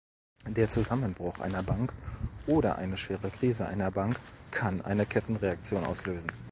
Der Zusammenbruch einer Bank oder eine schwere Krise einer Bank kann eine Kettenreaktion auslösen.